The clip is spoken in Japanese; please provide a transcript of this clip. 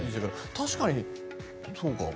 確かに、そうか。